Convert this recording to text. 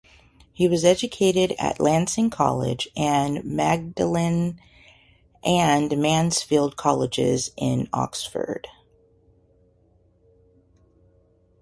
He was educated at Lancing College and Magdalen and Mansfield Colleges in Oxford.